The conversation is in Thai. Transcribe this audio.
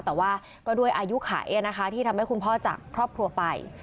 แต่ว่าก็ด้วยอายุไขนะคะที่ทำให้คุณพ่อจากครอบครัวไป